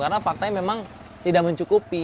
karena faktanya memang tidak mencukupi